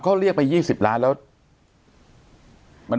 เขาเรียกไป๒๐ล้านแล้ว